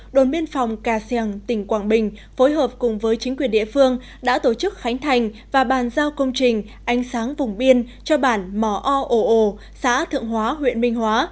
đồn biên phòng cà seng tỉnh quảng bình phối hợp cùng với chính quyền địa phương đã tổ chức khánh thành và bàn giao công trình ánh sáng vùng biên cho bản mò o ổ xã thượng hóa huyện minh hóa